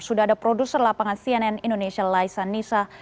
sudah ada produser lapangan cnn indonesia laisa nisa